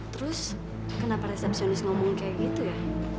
terus kenapa resepsionis ngomong kayak gitu ya